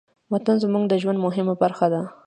وطن زموږ د ژوند مهمه برخه ده.